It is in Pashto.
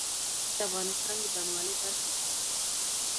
انګور د افغانستان د بڼوالۍ برخه ده.